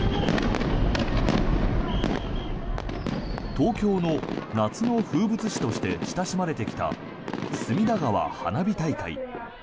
東京の夏の風物詩として親しまれてきた隅田川花火大会。